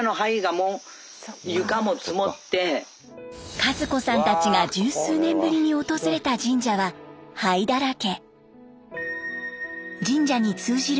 和子さんたちが十数年ぶりに訪れた神社は灰だらけ。